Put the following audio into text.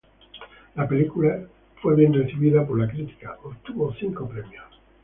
La película fue bien recibida por la crítica, obtuvo cinco premios.